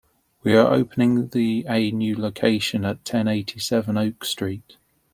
We are opening the a new location at ten eighty-seven Oak Street.